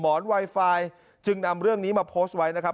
นไวไฟจึงนำเรื่องนี้มาโพสต์ไว้นะครับ